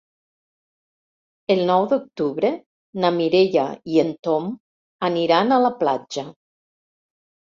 El nou d'octubre na Mireia i en Tom aniran a la platja.